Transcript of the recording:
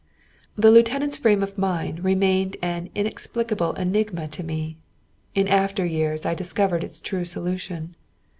The lieutenant's frame of mind remained an inexplicable enigma to me. In after years I discovered its true solution.